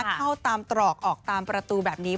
เข้าตามตรอกออกตามประตูแบบนี้